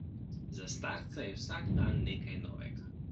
Za starca je vsak dan nekaj novega.